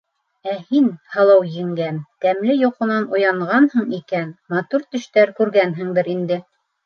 — Ә, һин, һылыу еңгәм, тәмле йоҡонан уянғанһың икән, матур төштәр күргәнһеңдер инде.